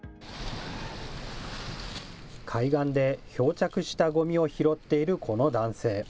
海岸で、漂着したごみを拾っているこの男性。